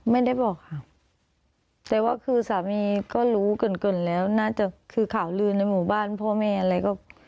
ไม่ได้บอกค่ะแต่ว่าคือสามีก็รู้เกินเกินแล้วน่าจะคือข่าวลืนในหมู่บ้านพ่อแม่อะไรก็